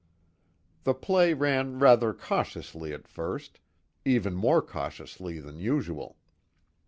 The play ran rather cautiously at first, even more cautiously than usual.